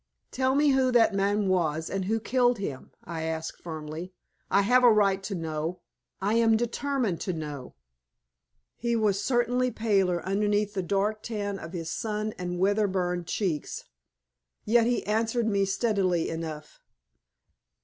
"Tell me who that man was, and who killed him?" I asked, firmly. "I have a right to know. I am determined to know!" He was certainly paler underneath the dark tan of his sun and weather burned cheeks. Yet he answered me steadily enough.